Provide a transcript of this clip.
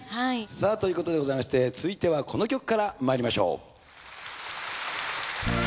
さぁということでございまして続いてはこの曲からまいりましょう。